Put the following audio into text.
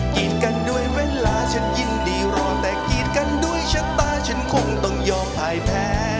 กีดกันด้วยเวลาฉันยินดีรอแต่กีดกันด้วยชะตาฉันคงต้องยอมอายแพ้